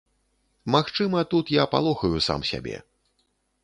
Магчыма, тут я палохаю сам сябе.